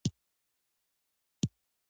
ولایتونه د افغانستان د طبیعت د ښکلا برخه ده.